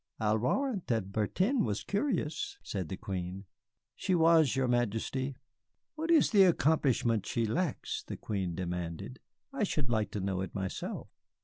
"'I'll warrant that Bertin was curious,' said the Queen. "'She was, your Majesty.' "'What is the accomplishment she lacks?' the Queen demanded; 'I should like to know it myself.